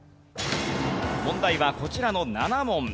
問題はこちらの７問。